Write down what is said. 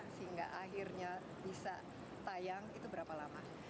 sehingga akhirnya bisa tayang itu berapa lama